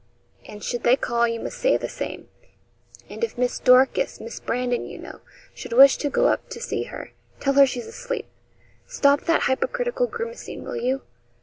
And should they call, you must say the same; and if Miss Dorcas, Miss Brandon, you know should wish to go up to see her, tell her she's asleep. Stop that hypocritical grimacing, will you.